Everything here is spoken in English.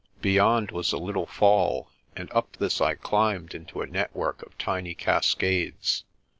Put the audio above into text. Beyond was a little fall, and up this I climbed into a network of tiny cascades.